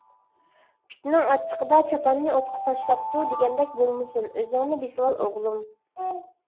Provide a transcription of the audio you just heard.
«پىتنىڭ ئاچچىقىدا چاپاننى ئوتقا تاشلاپتۇ» دېگەندەك بولمىسۇن، ئۆزۈڭنى بېسىۋال ئوغلۇم!